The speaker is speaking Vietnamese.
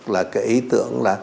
là cái ý tưởng là